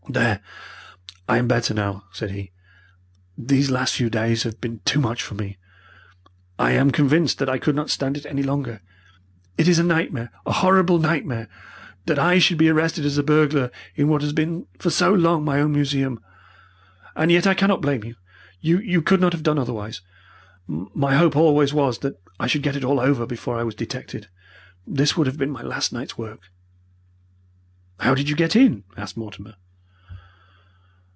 "There, I am better now!" said he. "These last few days have been too much for me. I am convinced that I could not stand it any longer. It is a nightmare a horrible nightmare that I should be arrested as a burglar in what has been for so long my own museum. And yet I cannot blame you. You could not have done otherwise. My hope always was that I should get it all over before I was detected. This would have been my last night's work." "How did you get in?" asked Mortimer.